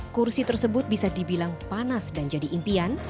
kursi tersebut bisa dibilang panas dan jadi impian